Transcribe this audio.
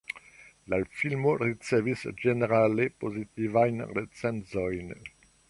La filmo ricevis ĝenerale pozitivajn recenzojn.